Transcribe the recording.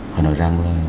phải nói ra